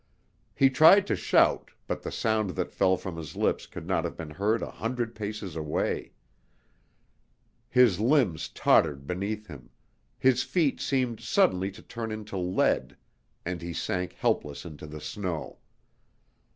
He tried to shout, but the sound that fell from his lips could not have been heard a hundred paces away; his limbs tottered beneath him; his feet seemed suddenly to turn into lead, and he sank helpless into the snow.